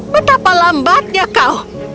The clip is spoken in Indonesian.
betapa lambatnya kau